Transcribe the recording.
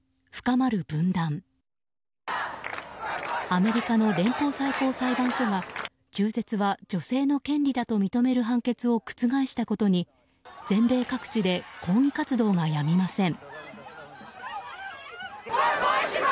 アメリカの連邦最高裁判所が中絶は女性の権利だと認める判決を覆したことに全米各地で抗議活動がやみません。